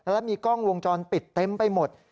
และมีกล้องวงจรปิดเต็มไปหมด